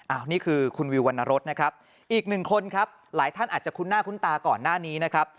อันนี้คือคุณวิววรรณรสนะครับอีกหนึ่งคนครับหลายท่านอาจจะคุ้นหน้าคุ้นตาก่อนหน้านี้นะครับ